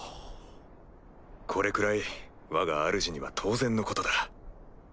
これくらいわがあるじには当然のことだ。